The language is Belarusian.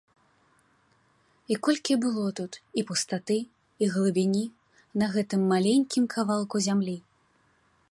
І колькі было тут і пустаты, і глыбіні на гэтым маленькім кавалку зямлі!